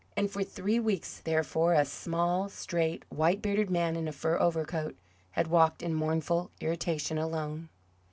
And for three weeks, therefore, a small, straight, white bearded man in a fur overcoat had walked in mournful irritation alone.